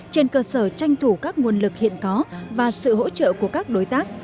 trên cơ sở tranh thủ các nguồn lực hiện có và sự hỗ trợ của các đối tác